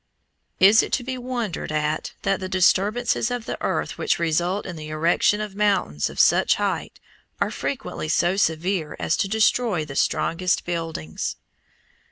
Is it to be wondered at that disturbances of the earth which result in the erection of mountains of such height are frequently so severe as to destroy the strongest buildings?